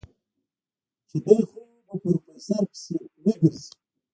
چې دی خو به په پروفيسر پسې نه ګرځي.